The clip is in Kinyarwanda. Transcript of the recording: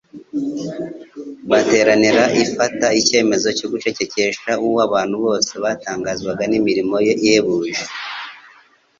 bateranira b ifata icyemezo cyo gucecekesha uwo abantu bose batangazwa n'imirimo ye ihebuje.